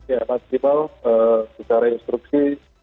ya maksimal secara instruksi